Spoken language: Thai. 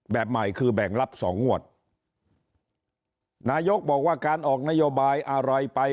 แบบใหม่คือแบ่งรับสองงวดนายกบอกว่าการออกนโยบายอะไรไป